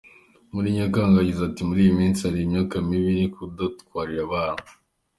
Muri Nyakanga yagize ati “Muri iyi minsi hari imyuka mibi iri kudutwarira abana.